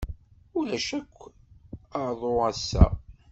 Ulac akk aḍu ass-a.